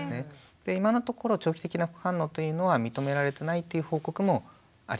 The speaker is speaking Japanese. で今のところ長期的な副反応というのは認められてないっていう報告もあります。